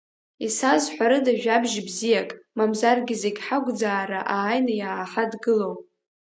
Исазҳәарыда жәабжь бзиак, мамзаргьы зегь ҳақәӡаара ааины иааҳадгылоу!